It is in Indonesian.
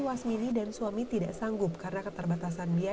wasmini dan suami tidak sanggup karena keterbatasan biaya